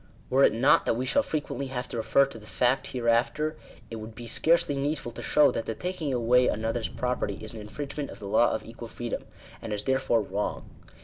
Were it not that we shall frequently have to refer to the fact hereafter, it would be scarcely needful to show that the taking away another's property is an infringement of the law of equal freedom, and is therefore wrong.